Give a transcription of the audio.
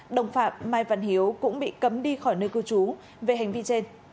đồng phạm mai văn hiếu cũng bị cấm đi khỏi nơi cư trú về hành vi trên